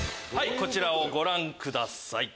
こちらをご覧ください。